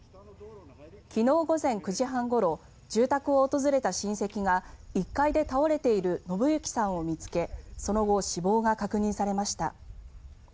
昨日午前９時半ごろ住宅を訪れた親戚が１階で倒れている信行さんを見つけその後、死亡が確認されました。